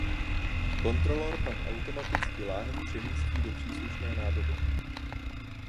Kontrolor pak automaticky láhev přemístí do příslušné nádoby.